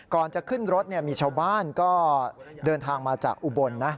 ก่อนจะขึ้นรถมีชาวบ้านก็เดินทางมาจากอุบลนะ